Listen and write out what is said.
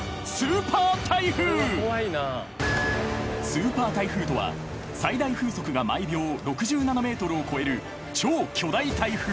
［スーパー台風とは最大風速が毎秒６７メートルを超える超巨大台風］